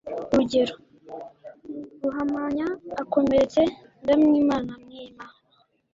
urugero ... ruhamanya akomeretse ndamwimana mwima